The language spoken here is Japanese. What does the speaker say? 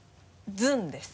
「ずん」です。